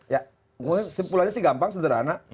ya kesimpulannya sih gampang sederhana